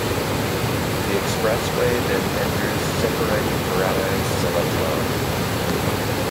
The expressway then enters Seberang Perai Selatan.